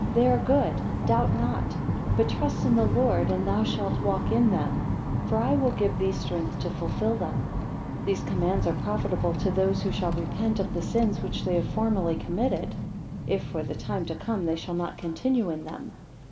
They are good, doubt not, but trust in the Lord, and thou shalt walk in them; for I will give thee strength to fulfil them. 4 These commands are profitable to those who shall repent of the sins which they have formerly committed; if for the time to come they shall not continue in them.